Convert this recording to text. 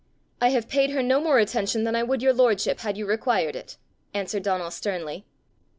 "I have paid her no more attention than I would your lordship, had you required it," answered Donal sternly.